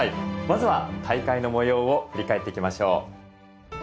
まずは大会の模様を振り返っていきましょう。